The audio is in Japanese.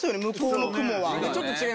向こうの「くも」は。